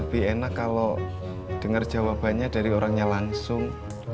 lebih enak kalau dengar jawabannya dari orangnya langsung